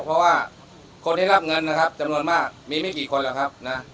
เพราะว่าคนที่รับเงินนะครับจำนวนมากมีไม่กี่คนหรอกครับนะ